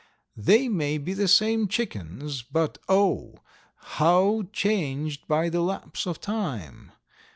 They may be the same chickens, but oh! how changed by the lapse of time!